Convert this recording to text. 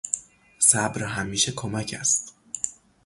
صبر همیشه کمک است.